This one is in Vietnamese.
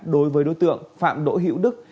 đối với đối tượng phạm đỗ hiễu đức